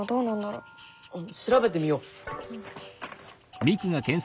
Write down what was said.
あっ調べてみよう。